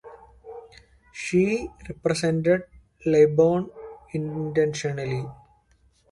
She represented Lebanon internationally.